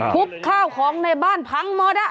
ข้าวของในบ้านพังหมด